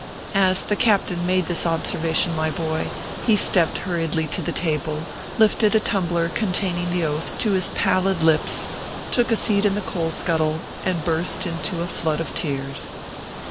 As the captain made this observation, my boy, he stepped hurriedly to the table, lifted a tumbler con taining the Oath to his pallid lips, took a seat in the coal scuttle, and burst into a flood of tears.